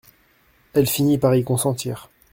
Elle finit par y consentir.